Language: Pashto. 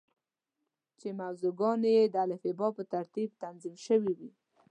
چې موضوع ګانې یې د الفبا په ترتیب تنظیم شوې وې.